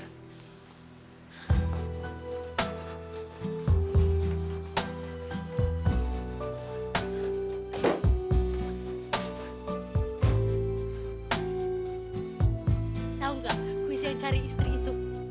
tau gak gue sih yang cari istri itu